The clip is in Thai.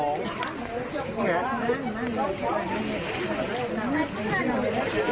นี่ครับ